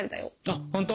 あっ本当？